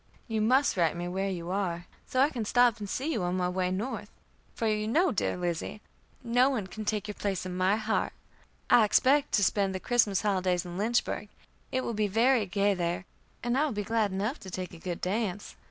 You must write me where you are, so I can stop and see you on my way North; for you know, dear Lizzie, no one can take your place in my heart. I expect to spend the Christmas holidays in Lynchburg. It will be very gay there, and I will be glad enough to take a good dance.